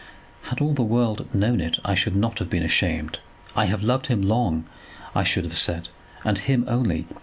Had all the world known it, I should not have been ashamed. 'I have loved him long,' I should have said, 'and him only.